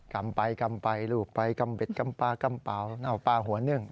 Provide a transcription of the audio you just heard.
กำไปกำไปรูปไปกำเด็ดกำปลากำเปล่าเน่าปลาหัวนึ่ง